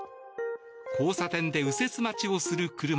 交差点で右折待ちをする車。